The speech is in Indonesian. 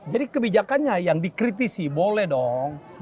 jadi kebijakannya yang dikritisi boleh dong